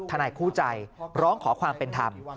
นายคู่ใจร้องขอความเป็นธรรม